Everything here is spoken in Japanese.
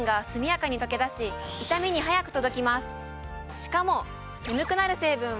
しかも。